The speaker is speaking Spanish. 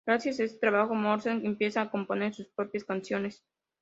Gracias a este trabajo, Morten empieza a componer sus propias canciones.